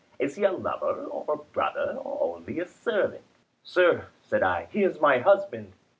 Is he a lover or a brother, or only a servant?" "Sir," said, I "he is my husband."